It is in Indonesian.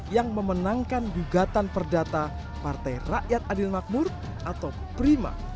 yang memenangkan gugatan perdata partai rakyat adil makmur atau prima